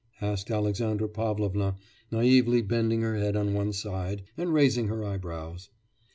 asked Alexandra Pavlovna, naively bending her head on one side, and raising her eyebrows.